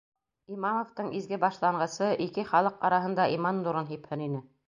Имамовтың изге башланғысы ике халыҡ араһында иман нурын һипһен ине.